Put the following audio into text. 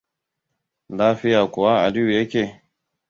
Lafiya kuwa Aliyu ya ke?